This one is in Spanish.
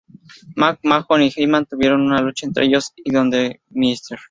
McMahon y Heyman tuvieron una lucha entre ellos, donde Mr.